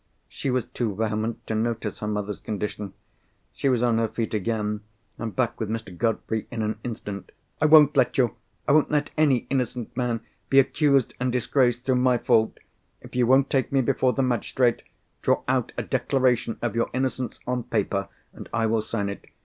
_" She was too vehement to notice her mother's condition—she was on her feet again, and back with Mr. Godfrey, in an instant. "I won't let you—I won't let any innocent man—be accused and disgraced through my fault. If you won't take me before the magistrate, draw out a declaration of your innocence on paper, and I will sign it.